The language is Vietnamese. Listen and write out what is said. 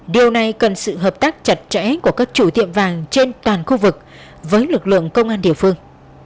điều này cần sự hợp tác chặt chẽ của các chủ tiệm vàng trên toàn khu vực với lực lượng công an địa phương